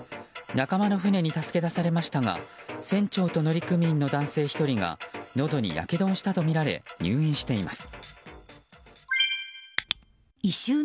仲間の船に助け出されましたが船長の乗組員の男性１人がのどにやけどをしたとみられ入院しています。